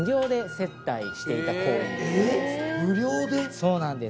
そうなんです。